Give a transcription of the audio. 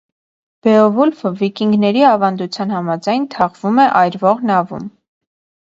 Բեովուլֆը վիկինգների ավանդության համաձայն թաղվում է այրվող նավում։